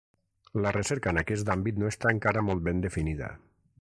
La recerca en aquest àmbit no està encara molt ben definida.